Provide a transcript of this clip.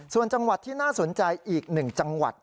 ส่วนจังหวัดที่น่าสนใจอีก๑จังหวัด